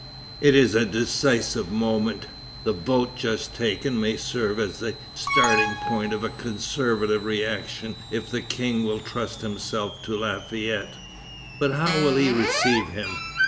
It is the decisive moment. The vote just taken may serve as the starting point of a conservative reaction if the King will trust himself to Lafayette. But how will he receive him?